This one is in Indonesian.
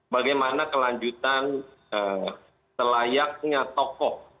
bagaimana kelanjutan selayaknya tokoh